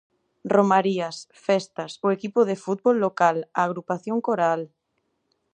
Romarías, festas, o equipo de fútbol local, a agrupación coral...